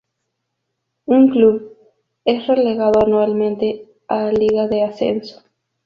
Un Club es relegado anualmente a Liga de Ascenso.